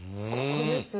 ここです。